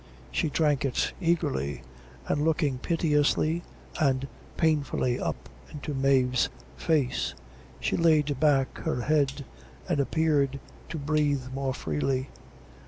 She drank it eagerly, and looking piteously and painfully up into Mave's face, she laid back her head, and appeared to breathe more freely.